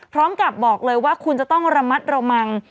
พร้อมกับบอกเลยว่าคุณจะต้องระมัดระวัง